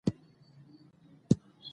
دوی ویل چې ښځې د ټولنې نیمايي برخه ده.